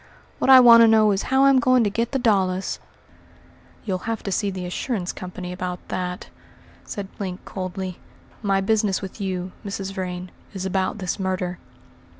What I want to know is how I'm going to get the dollars." "You'll have to see the assurance company about that," said Link coldly; "my business with you, Mrs. Vrain, is about this murder."